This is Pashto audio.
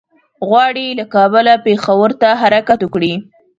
غواړي له کابله پېښور ته حرکت وکړي.